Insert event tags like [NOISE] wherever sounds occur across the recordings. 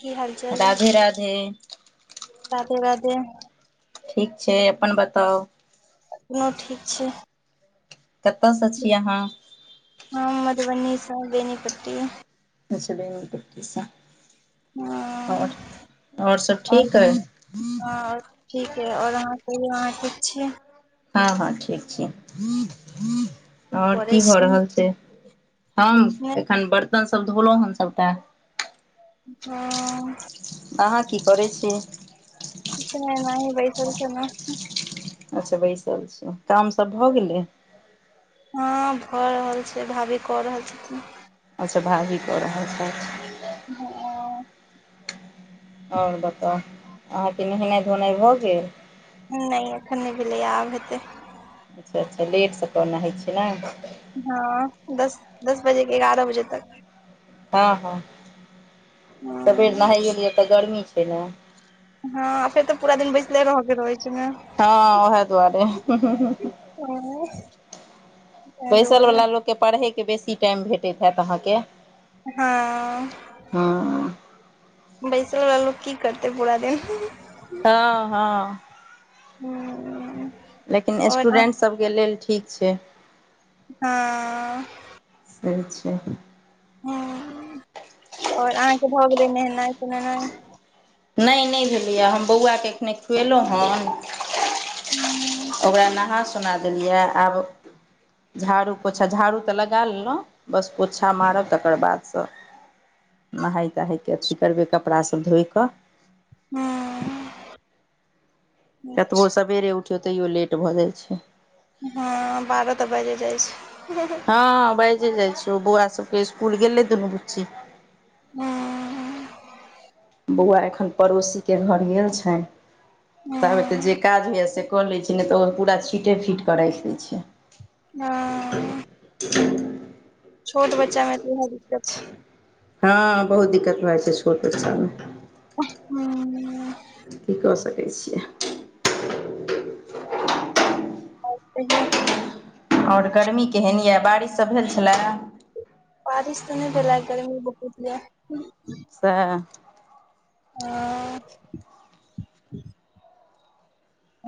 की हालचाल अइ राधे राधे। राधे राधे ठीक छै अपन बताउ। अपनो ठीक छै। कतय स छीअहाँ? हम मधुबनी स बेेनीपट्टी। अच्छा बेनीपट्टी स। और और सब आओर ठीक अई? हँ ठीक अई और अहाँ कहियौ अहाँ ठीक छी? हँ हँ ठीक छी और करै की भऽ छी रहल छय। हम नहि एखन बर्तन सब धोलहु हन सभटा अँ अहाँ की करै छि। किछ नहि एनहि बैसल छलऊ। अच्छा बैसल छियौ, काम सब भ गेलय। हँ भ रहल छय, भाभी क रहल छथिन। अच्छा भाभी क रहल छैथ। हँ और बताउ अहाँ के नहेनाय - धोनाय भ गेल। नहि एखन नहि भेलै या आब हेतै। अच्छा-अच्छा लेट सकाल नहाय छियै नैय। हँ दस-दस बजे के, एगारह बजे तक। हँ-हँ सवेर हँ नहाइयो लिय त गर्मी छय ने। हँ, फेर तऽ पूरा दिन बैसले रहऽके रहै छै ने हँ ओहै दुआरे। ऐं बैसल वला लोक के, पढ़ै के बेसी टाइम भेटैत हैत अहाँ के। हां हँ। बैसल बला लोक की करतै पूरा दिन। हँ-हँ लेकिन और स्टूडेन्ट अहाँ सबके लेल ठीक छय। हँऽ से छै। और अहाँके भऽ गेलै नहेनाइ सुनेनाइ। नहि -नहि भेलैए ये, हम बौआके एखने खुएलहुँ हन। हूँ ओकरा नहा सुना देलिय ये आब झाड़ू पोछा, झाड़ू तऽ लगा लेलहुँ, बस पोछा मारब तकर बाद स नहाय तहायके अथी करबै, कपड़ा सभ धोइ कऽ। हूँऽ कतबो सबेरे उठियौ, तैयो लेट भऽ जाइ छै। हँ बारह तऽ बाजे जाइ छै। हँ बाजे जाइ छै, बौआ सबके स्कुल गेलै दुनू बुच्ची। हूँ- हूँ बौउआ एखन पड़ोसी के घर गेल छैन, ताबे जे हूँ काज होयया से क ले छी। नहि तऽ, ओ पूरा छीटे फीट कऽ राखि दय छै। हँऽ [INAUDIBLE] छोट बच्चा मे त उहे दिक्कत छै। हँऽ, बहुत दिक्कत भए जाइ छै छोट बच्चा में। हूऽ की कऽ सकै छियै। कहियो ओर गर्मी केहन ये, बारिश सभ भेल छले। बारिश तऽ नहि भेले, आय गर्मी बहुत ये। सैह आंऽ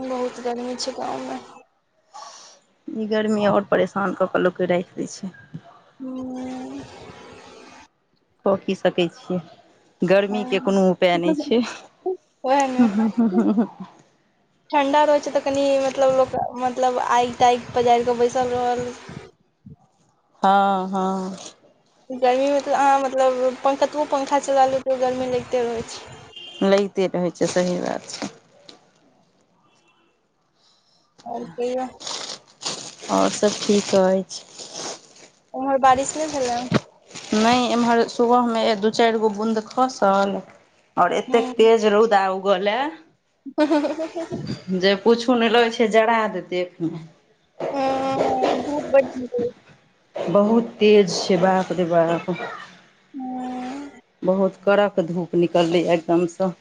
बहुत गर्मी छै गाँव में ई गर्मी ओर परेशान कऽ कऽ लोकके राइख दय छै। हू कऽ की सकै छियै। गर्मी हँ के कोनो उपै नहि छै। वैह ने ठंडा रहै छै तऽ कनि मतलब लोक मतलब आइग-ताइग पजारि कऽ बैसल रहल। हँ हँ गर्मीमे त अहाँ मतलब पंख कतबो पंखा चला लिए तइयो गर्मी लगिते रहै छै। लैगते रहै छै सही बात छै। ओर कहियो। ओर सब ठीक अइछ उम्हर बारिश नहि भेलै। नहि एम्हर सुबहमे ए दू चारि गो बूँद खसल ओर एतेक तेज रउदा उग लै। हूँ हेहेहेहेहे जे पुछु नहि लगै छै जरा देतै एखने आ धूप बढ़ [UNINTELLIGIBLE] बहुत तेज छै बाप रे बाप, हूँ बहुत कड़क धूप निकलै यै एकदमसँ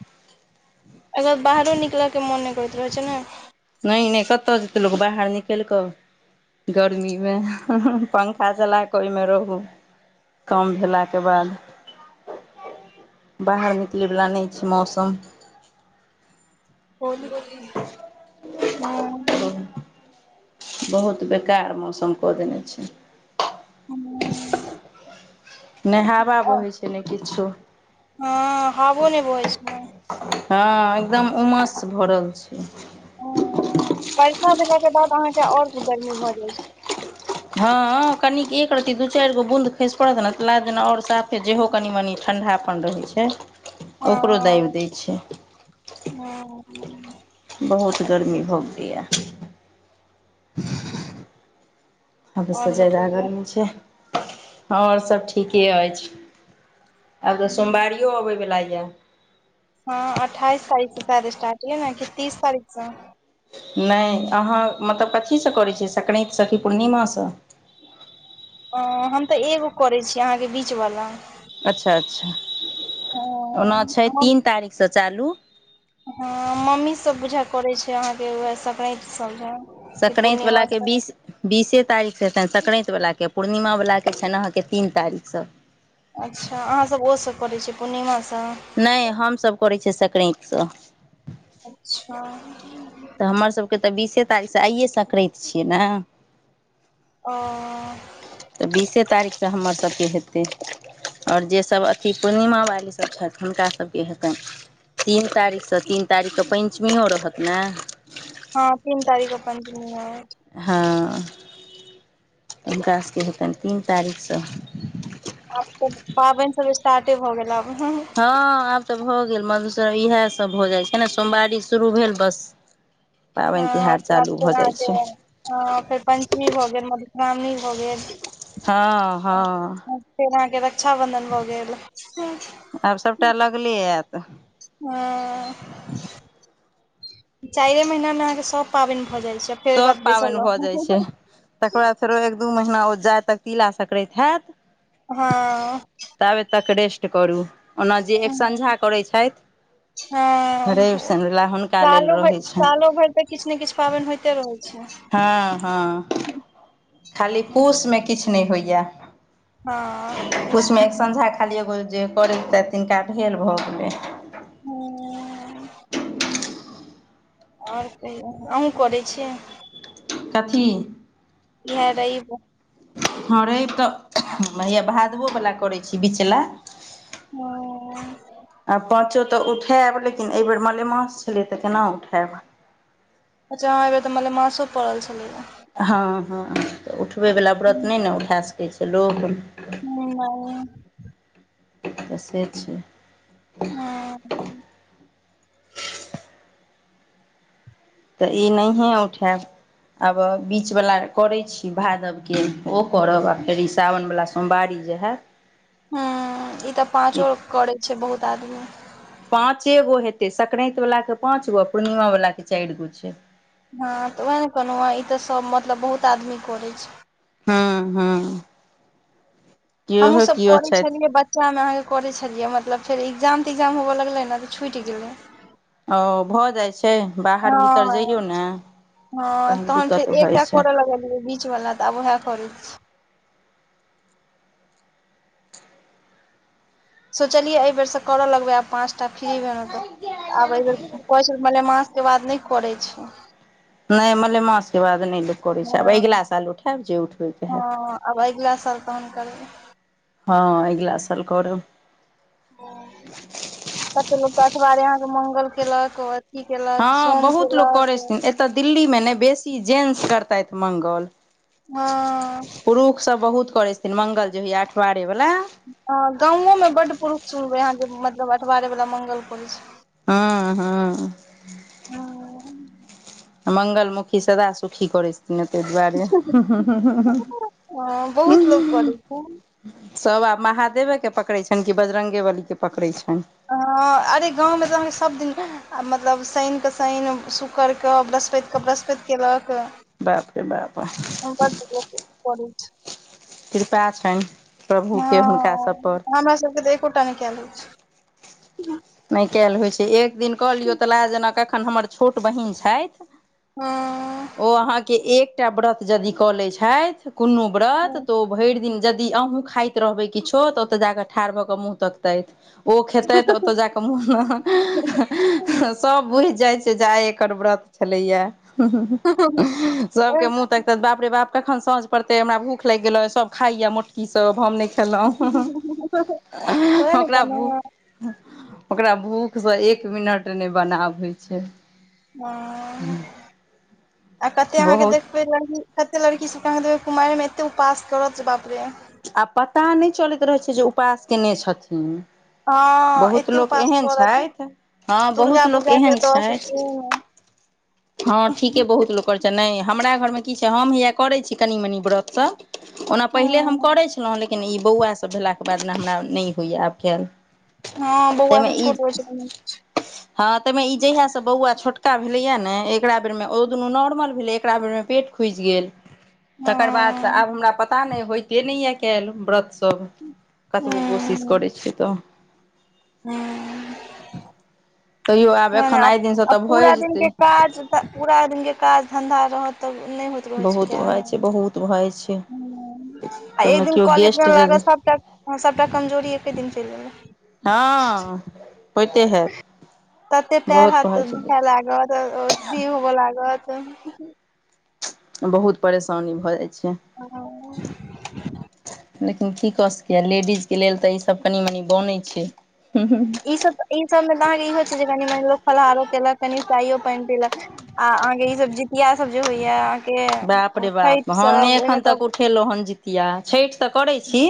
अगर बाहरो निकलऽ के मोन नहि करैत रहै छै ने नहि नै कतय जेतै लोक बाहर निकैल कऽ गर्मी मे पंखा हहह पंखा चला कऽ ओहिमे रहू कम भेलाके बाद बाहर निकलै बला नहि छै मौसम। [UNINTELLIGIBLE] ह बहुत बेकार मौसम कऽ देने छै। हूॅं नै हावा बहै छै, ने किछो। ह हाबौ ने बहै छय ने। हऽ एकदम उमस भरल छै। ह बर्षा भेलाक के बाद अहाँके और गर्मी भऽ जाइ छै। हाॅं कनिक एक रत्ती दू चारि गो बूँद खसि पड़त ने तऽ लागत जेना और साफे जेहो कनि-मनि ठण्डापन रहै छै। ओकरो हँ दाबि दैय छै। हूँ बहुत गर्मी भऽ गेलै यै। हदसे आओर ज्यादा बतैयौ गरमी छै, हऽ और सब ठीके अइछ। आब तऽ सोमवारियो आबैवला यै। हऽ अठाइस तारीख से शायद स्टार्ट ये ने की तीस तारीख सऽ नहि अहाँ मतलब कथीसँ करैत छियै संक्रान्ति से की पूर्णिमासँ। ह हम तऽ एगो करै छिये अहाँके बीच वला अच्छा-अच्छा ओना छय, तीन तारीक सऽचालू हऽ मम्मी सब बुझा करै छै, अहाँके वेह संक्रान्ति सब ज संक्राति बलाके बीस। बीसे तारीक सऽ हेतैन संक्रान्ति वलाके पूर्णिमा वलाके छनि, अहाँके तीन तारीक सऽ अच्छा अहाँसब ओ सऽ करै छिये, पूर्णिमा सऽ नहि, हमसभ करै छियै संक्रान्तिसँ। अच्छा। तऽ हमरसभके तऽ बीसे तारीखसँ आइए सक्रैत छियै, ने? ओह तऽ बीसे तारीखसँ हमरसभके हेतै। आओर जे सभ अथी पूर्णिमावाली सभ छथि, हुनका सभके हेतनि। तीन तारीखसँ तीन तारीखके पञ्चमियो रहत, नहि? हँ, तीन तारीखके पञ्चमी रहत। हाॅं। हुनका सभके हेतनि तीन तारीखसँ। आब तऽ पाबनि सभ स्टार्ट भऽ गेलै। हँ, आब तऽ भऽ गेल मधुश्रावणी। इएह सभ भऽ जाइ छै ने, सोमवारी शुरू भेल बस। पाबनि तिहार चालू भऽ जाय छै। हाॅं फेर पञ्चमी भऽ गेल मधुश्रावणी भऽ गेल। हाॅं हाॅं। फेर अहाँके रक्षाबन्धन भऽ गेल। आब सबटा लगले आइत। हाॅं। चारिए महिनामे अहाँके सब पाबनि भऽ जाइ छै। फेर एक सभ बाद बैसल पाबनि भऽ जाइत रहू छै, तकर बाद फेर एक-दू महिना ओ जाइत-जाइत तिला संक्रान्ति होयत। हाॅं। ताबे तक रेस्ट करू, ओना जे एक साँझ करै छथि। हाॅं रवि शनि ला हुनका लेल सालो भैर, रहै छनि सालो भैर ता किछु ने किछु पाबनि होइते रहै छै। हाॅं हाॅं। ज खाली पूसमे किछु नहि होइए। हाॅं, पूस। संझा खाली एगो जे करैत तिनका कहियोंन भऽ गेलैन हूॅं। आओर कहियौ, आहु करैत छी। कथी इहा रब ई। हँ रवि तऽ भादवोवला करैत छी बिचला। हँ आ पांचो तऽ उठायब, लेकिन एहिबेर मलमास छलै तऽ केना उठायब। अच्छा आबेर तऽ मलमासो पड़ल छलैए। हँ हँ, तऽ उठैवला व्रत नहि ने, उठा सकै छै लोक। ह [UNINTELLIGIBLE] तऽ से छै। हँ [UNINTELLIGIBLE] तऽ ई नहिये उठायब आब, बिचवला करै छी भादवके ओ। ओकर बाद फेर ई सावन वला सोमवारी जे हइत हँ, ई तऽ पाँचो करै छै बहुत आदमी। पाँचे गो हेतै, सक्रान्तिवलाके पाँच गो, आ पूर्णिमावलाके चारि गो छै। हँ तऽ उएह ने कहलहुँ हँ, ई तऽ सब, मतलब बहुत आदमी करै छै। हँ- हँ। हमहहुँ केओहे सब केओ करै छथि छलियै ब चामे अहाँके कर छलियै, मतलब फेर एग्जाम- तिग्जाम होबय लगलै ने, तऽ छुटि गेलै। ओ भऽ जाइ छै, बाहर-भीतर जइयौ हँ ने। हँ तहन दिक्कत फेर भऽ जाइ एकटा छै करऽ लगेलियै, बीचवला तऽ आब उएह करै छी। सोचलियै एहि बेर से करऽ लगबै, आब पाँच टा फ्री भेलउ तऽ, आब एहि बेर पऽ मलेमास ओहिके बाद नहि करैत छै। नहि, मलेमासके बाद नहि लोक करैत छै, आब हँ अगिला साल उठायब, जे उठबैके हैत। आबगला साल तहन करबै। हँ अगिला साल करब। कऽ लोकके अटबारे अहाँके मङगल केलक। की केलक? सोम कयेलक। तऽ दिल्ली मे ने बेसी जेन्स करतथि मंगल। हँ। पुरुषसभ बहुत करैत छथिन मङ्ंगल जे होइया अठवारे बला। हँ, गाँवो में बड़ पुरुष सुनबै अहाँ जे, मतलब अठवारैवला मंगल पुरुष। हँ- हँ। मंगलमुखी सदा सुखी करै छै। ते दुआरे ह हँ बहुत लोक करै छै [INAUDIBLE] सभ आब महादेवेके पकड़ै छनि, कि बजरङंगगे बलीके पकड़ै छनि। ह अरे गाँवमें त अहाँके सबदिन आ मतलब शनिक कऽ शनि, शूकड़ कऽ, बृहस्पतिके बृहस्पति केलक। बाप रे बाप, बड लोक करै छै कृपा छनि। प्रभुके हुनका हँ, सभ पर हमरा सबके तऽ एकोटा न कलैत छै। नहि कयल होइ छै, एक दिन कऽ लियौ तऽ लागत जेना कखन, हमर छोट बहीन छैथ हँ ओ अहाँके एकटा व्रत यदि कऽ लैत छैथ। कोनो व्रत, तऽ ओ भरि दिन यदि अहूँ खाइत रहबै किछो, तऽ ओतऽ जाकऽ ठाढ़ भऽ कऽ मुँह तक ओ खेतै ज के मुह सब बुझि जाइत छै, जे आइ एकर व्रत छलैया। सबके हँ मु तऽ बाप रे बाप, कखन साँझ पड़तै, हमरा भूख लागि गेलो, सब खाइया मोट की सब हम नहि खेलहुँ, ओहे ने ओकरा भू कहलौं ओकरा भूखसँ एक मिनट नहि बनाब होइत छै। हँ, आ कते अहाँके बहुत देख कते लड़की सब कुमैर में एते उपवास करत, बाप रे। आ पता नहि चलैत रहैत छै जे उपास कयने छथिन। हँ बहुत एते लोक उपास एहन करत छथि, हँ बहुत दुर्गा लोक पूजा के एहन दस छथि। दिन [UNINTELLIGIBLE] हँ ठीके बहुत लोक करैत छथि, नहि हमरा घरमे की छै हम हैया करैत छी कनि मनि व्रतसभ। ओना पहिले हम हँ करैत छलहुँ, लेकिन ई बौआसभ भेलाके बाद ने हमरा नहि होइए आब कैल। हँ बौआ सब छोट रहै छै तहन नइ होइ छै। हँ तऽमे ई जहिया से बौआ छोटका भेलैया ने। एकरा बेरमे, ओ दुनू नॉर्मल भेलै, एकरा बेरमे पेट खुजि गेल। तकर बाद स हँ आब हमरा पता नहि होइते नहि य काल्हि, व्रत सब। कतबो कोशिश करै छियै तऽ। हँ। तैयो आब मने एखन अप्प, आइ दिनसँ तऽ अप्प पूरा भए दिन जेतै के काज तह पूरा दिन के काज धन्धा रहत त नहि होत। बहुत भअ छै, बहुत भअ जाइ छै। अनुआयि आ एक ताहिमे दिन केओ कॉले गेस्ट जदि लागत सभटा, सभटा कमजोरी एके दिन चलि। हँ होइते हैत, बहुत भ जेतैय। तब ओ दी होब लागत। बहुत परेशानी भऽ जाइ छैय। [INAUDIBLE] लेकिन की कऽ सकैय, लेडीज के लेल तऽ ईसभ कनी- मनी बनै छै। हुं -हुं। ई सब ई सब मे तऽ अहाँ के इहो हो छै, जे कनि मानि लोक फललाहारो केलक कनी चााययो पइन पिलक। आ अहाँ के ई सभ जीतिया सब जे होइया। बाप रे छठि बाप हम ने सब ओहिमे एखन तऽ तक उठ खेलहुॅ हन जितिया, छैठ तऽ करै छी,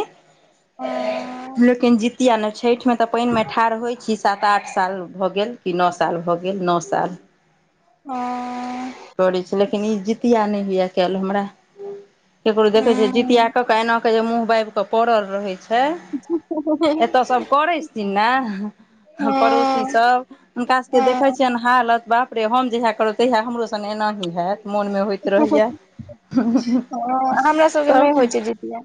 लेकिन जि किया नैए छठ मे तऽ पानि मे ठाढ़ होइ छी। सात आठ साल भऽ गेल कि नअ साल भऽ गेल नअ साल। ह करैय छी, लेकिन ई जितिया नहि होइए काल्हि हमरा। ककरो देखै छियै जितिया कऽ कऽ एना कऽ जे मँह बाबि कऽ पड़ल रहै छै एतय सब करै छथिन नैए। हम पड़ोसी सब, हुनका सबके देखे छियनि। हा नत बाप रे, हम जहिया करब तहिया हमरो संग एनाही हैत, मोन मे होइत रहैया, हु-हु-हु हमरा सबके नहि होइ सभ। छै जितिया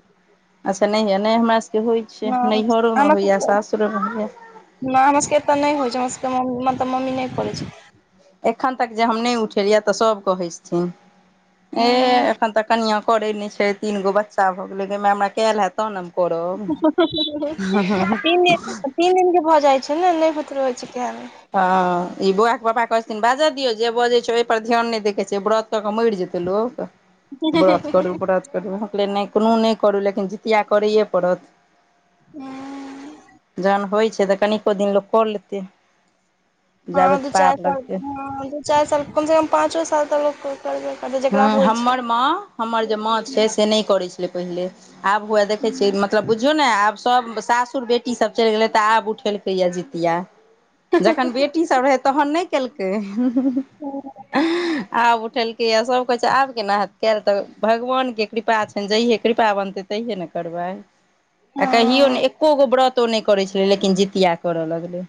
अच्छे नहिए नहि हमरासभकेँ होइत छै, नैहरोमे होइए सासुरोमे होइए। नहि हमर सभके एतह नहि होइ छै, हमर सभके मम् मतलब मम्मी नहि कड़ैय छै। एखन तक जे हम नहि उठेलियै तऽ सभ कहै छथिन ए एखन तक कनिआ करे नहि छै तीन गो बच्चा भऽ गेले, गय माए हमरा कयल हैत। तहन ने हम करब। छै हाॅ- हां तीन दिन तीन दिन के भऽ जाइ छै, ने नहि बुत रहय छै कैयल। हँ ई बौआ के पापा कहैत छथिन बाजऽ दियौ, जे बजैत छै ओहिपर ध्यान नहि दैय के छै, व्रत क क मैइर जेतै लोक। व्रत करू- व्रत करू। हम कलिए नहि कोनो नहि करू लेकिन जितिया करैए पड़त। मै जहन होइ छै, तऽ कनिको दिन लोक क लेतै। जाबे हँ दू पार चारि लगतै पाॅच ऑ दू चारि साल कम से कम पाँचो साल तऽ लोक करबे करतै जेकरा हँ होइ छै हम्मर माँ, हमर जे माँ छै से नहि करै छलै पहिले। आब हुए देखैय छियै मतलब बु जौ नए आब सब सासुर बेटी सब चलि गेलै, तऽ आब उठेलकैया जीतिया। जखन बेटी सब रहै तहन नहि केलकै, हू-हू-हू ऍ--आब उठेल किया सभ कहै छै आब केना हैत काल्हि, त भगवान के कृपा छैनि, जहिये कृपा बनते तैहिए ने करबैय। आ कहियो ने हँ एको गो व्रतो नहि करै छलै, लेकिन जितिया करय लगलै।